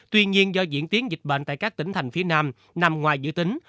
tuy nhiên do diễn tiến dịch bệnh tại các tỉnh thành phía nam nằm ngoài dự tính